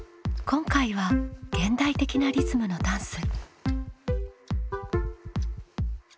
今回は「現代的なリズムのダンス」。